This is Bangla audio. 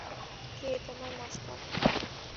কে তোমার মাস্টার?